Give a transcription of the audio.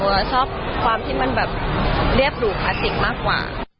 เราชอบความที่มันแบบเรียบหรูคลาสสิกมากกว่า